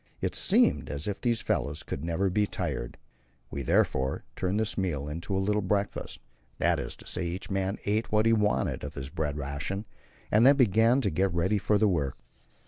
It seemed as if these fellows could never be tired. We therefore turned this meal into a little breakfast that is to say, each man ate what he wanted of his bread ration, and then they began to get ready for the work.